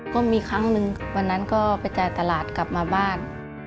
ก็มีครั้งหนึ่งวันนั้นก็ไปจ่ายตลาดกลับมาบ้าน